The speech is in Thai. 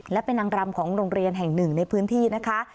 และเป็นนางรำของโรงเรียนแห่งหนึ่งในพื้นที่นะคะ